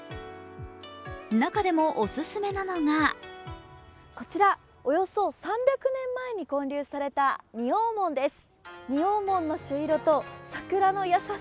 中でもオススメなのがこちら、およそ３００年前に建立された仁王門です。